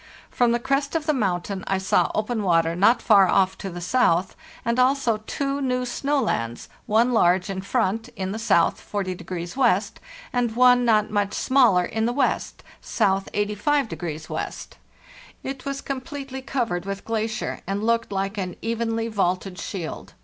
From the crest of the mountain I saw open water not far off to the south, and also two new snow lands, one large one in front (in the south, 4o W.), and one not much smaller in the west (S. 85° W.). It was completely covered with glacier, and looked like an evenly vaulted shield.